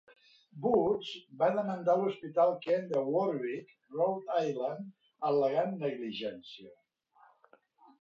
Woods va demandar l'hospital Kent de Warwick (Rhode Island) al·legant negligència.